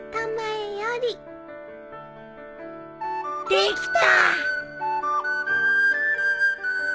できた！